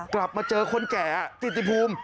กลับมาเจอคนแก่ติภูมิ